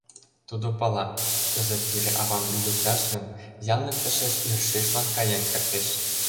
Тудо пала: кызыт пире-авам лӱдыкташ гын, янлык тышеч йӧршешлан каен кертеш.